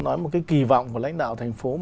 nói một cái kì vọng của lãnh đạo tp hcm